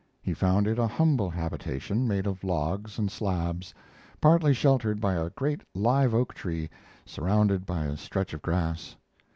He found it a humble habitation made of logs and slabs, partly sheltered by a great live oak tree, surrounded by a stretch of grass.